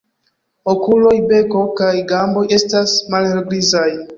Okuloj, beko kaj gamboj estas malhelgrizaj.